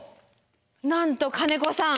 なんと金子さん